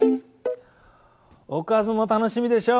おかずも楽しみでしょ。